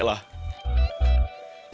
kisah pas kiberaika